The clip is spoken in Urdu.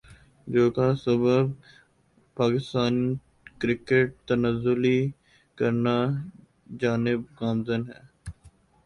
جو کا سبب پاکستان کرکٹ تنزلی کرنا جانب گامزن ہونا